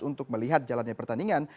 untuk melihat jalannya pertandingan